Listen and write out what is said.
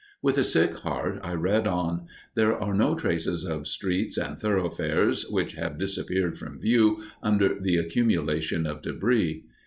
With a sick heart I read on: "There are no traces of streets and thoroughfares, which have disappeared from view under the accumulation of debris.